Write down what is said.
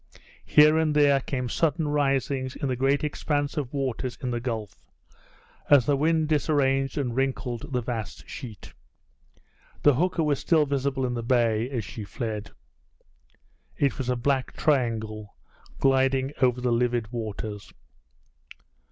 Here and there came sudden risings in the great expanse of waters in the gulf, as the wind disarranged and wrinkled the vast sheet. The hooker was still visible in the bay as she fled. It was a black triangle gliding over the livid waters.